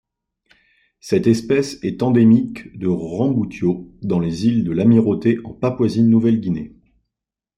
Cette espèce est endémique de Rambutyo dans les îles de l'Amirauté en Papouasie-Nouvelle-Guinée.